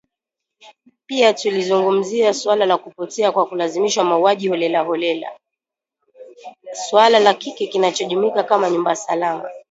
Pia tulizungumzia suala la kupotea kwa kulazimishwa, mauaji holela, suala la kile kinachojulikana kama “nyumba salama”